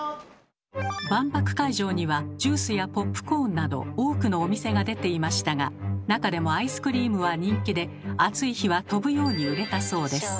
万博会場にはジュースやポップコーンなど多くのお店が出ていましたがなかでもアイスクリームは人気で暑い日は飛ぶように売れたそうです。